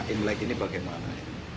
imlek ini bagaimana